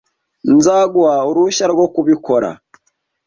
Nzaguha uruhushya rwo kubikora.